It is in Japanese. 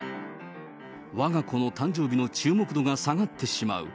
わが子の誕生日の注目度が下がってしまう。